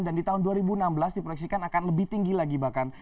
dan di tahun dua ribu enam belas diproyeksikan akan lebih tinggi lagi bahkan